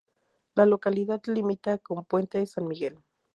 La localidad limita con Puente San Miguel.